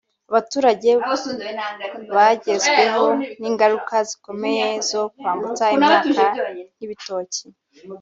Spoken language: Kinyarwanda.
Abaturage bagezweho n’ingaruka zikomeye zo kwambutsa imyaka nk’ibitoki